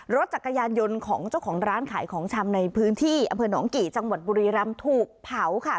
รถจักรยานยนต์ของเจ้าของร้านขายของชำในพื้นที่อำเภอหนองกี่จังหวัดบุรีรำถูกเผาค่ะ